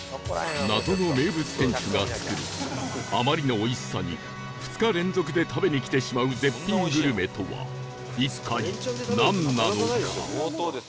謎の名物店主が作るあまりのおいしさに２日連続で食べに来てしまう絶品グルメとは一体なんなのか？